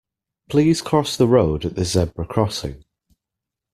Please cross the road at the zebra crossing